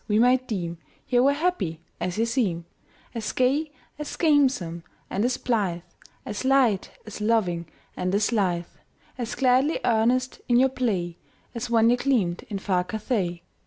we might deem Ye were happy as ye seem As gay, as gamesome, and as blithe, As light, as loving, and as lithe, As gladly earnest in your play, As when ye gleamed in far Cathay.